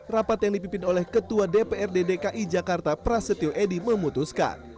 rapat yang dipimpin oleh ketua dprd dki jakarta prasetyo edy memutuskan